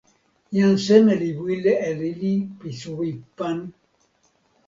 jan seme li wile e lili pi suwi pan.